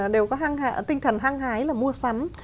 đều có tinh thần hăng hái là mua sắm